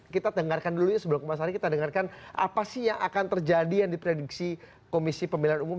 kita dengarkan dulu ya sebelum mas ari kita dengarkan apa sih yang akan terjadi yang diprediksi komisi pemilihan umum